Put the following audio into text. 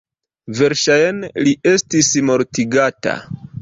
Verŝajne li estis mortigata.